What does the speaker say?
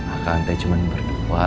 akang teh cuman berdua